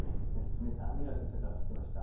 冷たい雨がけさから降っていました。